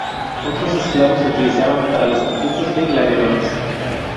Otros esclavos se utilizaban para los conflictos de gladiadores.